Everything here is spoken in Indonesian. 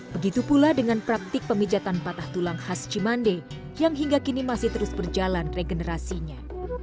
begitu pula dengan praktik pemijatan patah tulang khas cimande yang hingga kini masih terus berjalan regenerasinya